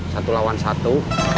satu lawan satu